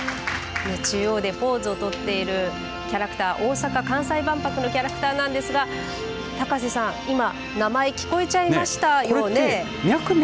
中央でポーズをとっているキャラクター大阪・関西万博のキャラクターなんですが高瀬さん、今、名前聞こえちゃいましたよね。